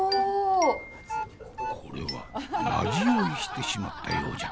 これはマジ酔いしてしまったようじゃ。